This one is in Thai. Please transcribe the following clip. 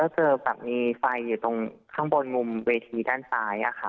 ก็เจอเห็ดก็เจอแบบมีไฟอยู่ตรงข้างบนมุมเวทีด้านซ้ายล่ะค่ะ